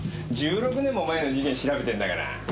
１６年も前の事件調べてんだから。